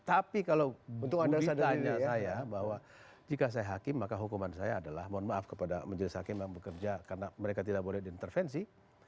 tapi kalau bisa ditanya saya bahwa jika saya hakim maka hukuman saya adalah mohon maaf kepada majelis hakim yang bekerja karena mereka tidak boleh diintervensi